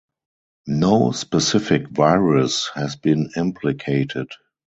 No specific virus has been implicated.